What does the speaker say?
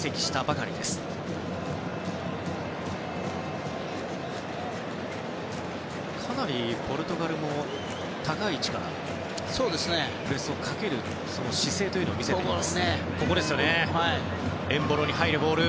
かなりポルトガルも高い位置からプレスをかける姿勢を見せています。